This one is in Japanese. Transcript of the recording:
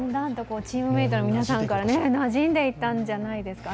チームメイトの皆さんからなじんでいったんじゃないですか